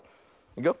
いくよ。